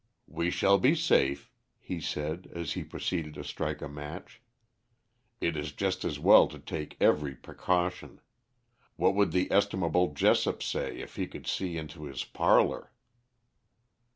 "We shall be safe," he said as he proceeded to strike a match. "It is just as well to take every precaution. What would the estimable Jessop say if he could see into his parlor?"